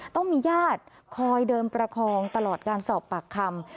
ต้องมีญาติคอยเดินประคองตลอดการสอบปากคำ